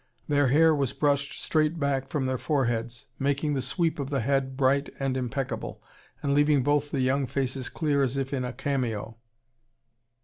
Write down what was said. Their hair was brushed straight back from their foreheads, making the sweep of the head bright and impeccable, and leaving both the young faces clear as if in cameo.